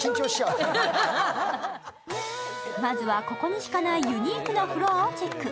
まずは、ここにしかないユニークなフロアをチェック。